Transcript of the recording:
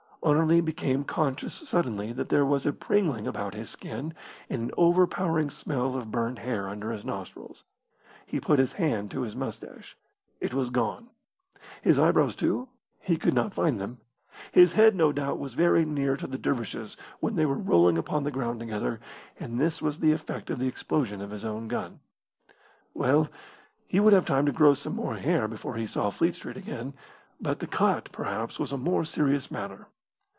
Anerley became conscious suddenly that there was a pringling about his skin and an overpowering smell of burned hair under his nostrils. He put his hand to his moustache. It was gone. His eyebrows too? He could not find them. His head, no doubt, was very near to the dervish's when they were rolling upon the ground together, and this was the effect of the explosion of his own gun. Well, he would have time to grow some more hair before he saw Fleet Street again. But the cut, perhaps, was a more serious matter.